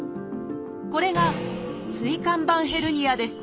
これが「椎間板ヘルニア」です。